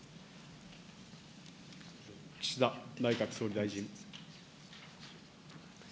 岸田内閣総理大臣。